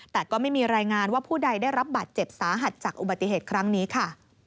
แต่ก็ไม่มีรายงานว่าผู้ใดได้รับบาดเจ็บสาหัสจากอุบัติเหตุครั้งนี้ค่ะ